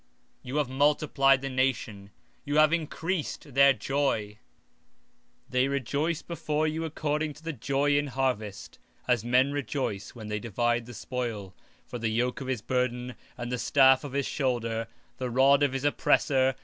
19:3 Thou hast multiplied the nation, and increased the joy—they joy before thee according to the joy in harvest, and as men rejoice when they divide the spoil. 19:4 For thou hast broken the yoke of his burden, and the staff of his shoulder, the rod of his oppressor.